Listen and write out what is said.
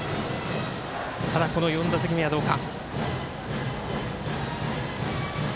ただ４打席目はどうか。